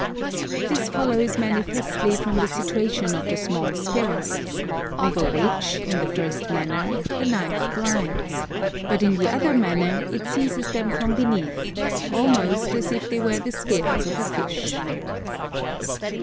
This follows manifestly from the situation of the small spheroids; over which, in the first manner, the knife glides; but in the other manner it seizes them from beneath almost as if they were the scales of a fish.